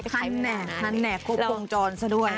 คันแหนกคันแหนกครบวงจรซะด้วย